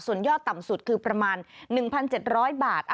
ส่วนยอดต่ำสุดคือประมาณ๑๗๐๐บาท